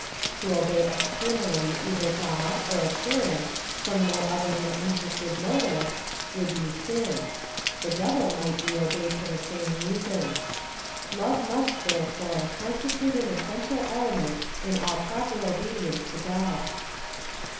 To obey externally either God, or a parent, from no other than interested motives, would be sin. The devil might be obeyed for the same reasons. Love must, therefore, constitute an essen tial element in all proper obedience to God.